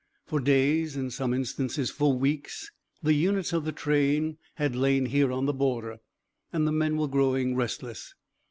For days, in some instances for weeks, the units of the train had lain here on the border, and the men were growing restless.